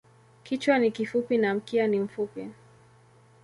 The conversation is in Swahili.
Kichwa ni kifupi na mkia ni mfupi.